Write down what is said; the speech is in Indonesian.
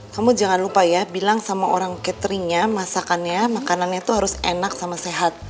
kamu jangan lupa ya bilang sama orang cateringnya masakannya makanannya itu harus enak sama sehat